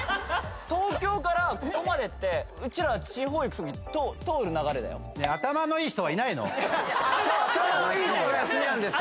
東京からここまでってうちら地方行くとき通る流れだよ頭のいい人が休みなんですよ